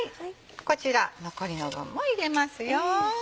こちら残りの分も入れますよ。